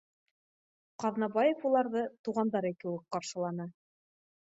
Ҡаҙнабаев уларҙы туғандары кеүек ҡаршыланы: